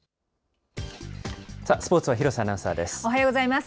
さあ、スポーツは廣瀬アナウンサーです。